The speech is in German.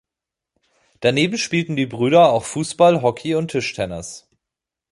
Daneben spielten die Brüder auch Fußball, Hockey und Tischtennis.